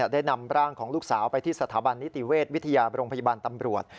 ได้นำร่างของลูกสาวไปที่สถาบันนิติเวชวิทยาโรงพยาบาลตำรวจ